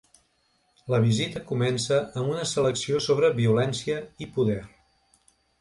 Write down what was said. La visita comença amb una selecció sobre ‘Violència i poder’.